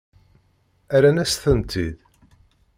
Rran-asen-tent-id?